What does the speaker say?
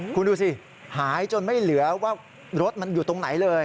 คุณดูสิหายจนไม่เหลือว่ารถมันอยู่ตรงไหนเลย